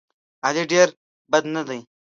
علي ډېر بد نه دی.